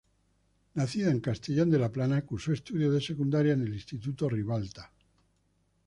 Nacida en Castellón de la Plana, cursó estudios de secundaria en el Instituto Ribalta.